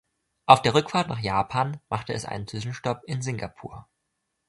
Auf der Rückfahrt nach Japan machte es einen Zwischenstopp in Singapur.